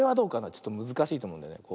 ちょっとむずかしいとおもうんだよね。